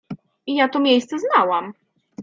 ja to miejsce znałam.